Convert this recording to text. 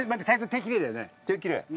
手きれい。